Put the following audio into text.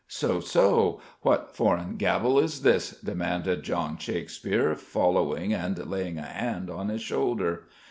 "So? So? What foreign gabble is this?" demanded John Shakespeare, following and laying a hand on his shoulder.